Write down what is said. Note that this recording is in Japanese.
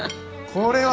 これは！